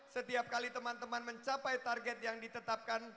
setiap kali teman teman mencapai target yang ditetapkan